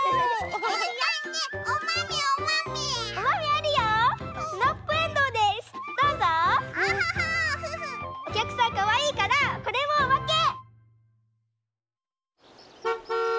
おきゃくさんかわいいからこれもおまけ！